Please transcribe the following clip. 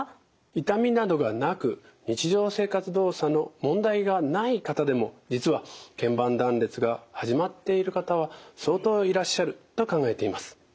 痛みなどがなく日常生活動作の問題がない方でも実はけん板断裂が始まっている方は相当いらっしゃると考えています。